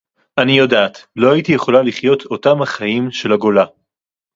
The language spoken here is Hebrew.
אני יודעת: לא הייתי יכולה לחיות אותם החיים של הגולה